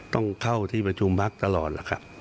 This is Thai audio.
ต้องเข้าที่ประชุมพักตลอดล่ะครับ